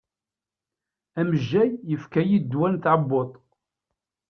Amejjay yefka-yid ddwa n tɛebbuḍt.